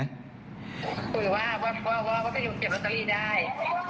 กุยว่าว่าว่าไม่รู้เก็บรอตเลอีได้